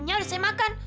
nya udah selesai makan